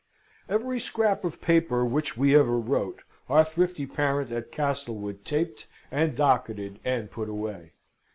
Every scrap of paper which we ever wrote, our thrifty parent at Castlewood taped and docketed and put away.